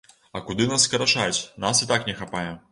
А куды нас скарачаць, нас і так не хапае.